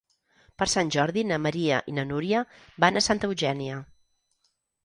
Per Sant Jordi na Maria i na Núria van a Santa Eugènia.